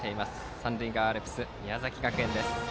三塁側アルプス、宮崎学園です。